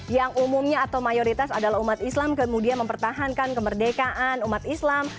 yang umumnya atau mayoritas adalah umat islam kemudian mempertahankan kemerdekaan umat islam